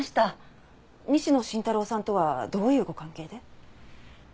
西野伸太郎さんとはどういうご関係で？